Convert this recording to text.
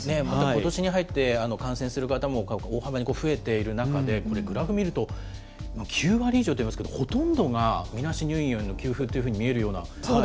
ことしに入って、感染する方も大幅に増えている中で、これ、グラフ見ると、９割以上といいますと、ほとんどがみなし入院への給付というふうに見えるような。